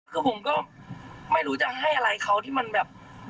คือผมก็ไม่รู้จะให้อะไรเขาที่มันแบบ